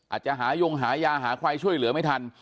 อาจจะหายงหายาหาใครช่วยเหลือไม่ทัน